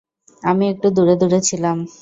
আমি একটু দূরে দূরে ছিলাম।